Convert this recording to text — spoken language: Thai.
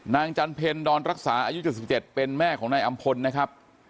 จันเพ็ญดอนรักษาอายุ๗๗เป็นแม่ของนายอำพลนะครับ